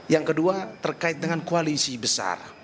yang kedua terkait dengan koalisi besar